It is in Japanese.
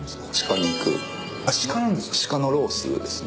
鹿のロースですね。